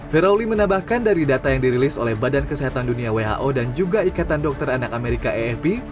heroli menambahkan dari data yang dirilis oleh badan kesehatan dunia who dan juga ikatan dokter anak amerika afp